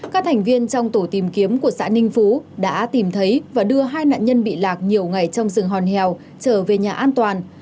các thành viên trong tổ tìm kiếm của xã ninh phú đã tìm thấy và đưa hai nạn nhân bị lạc nhiều ngày trong rừng hòn hèo trở về nhà an toàn